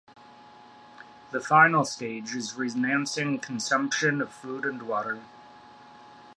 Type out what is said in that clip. The final stage is renouncing consumption of food and water.